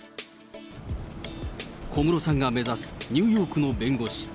小室さんが目指す、ニューヨークの弁護士。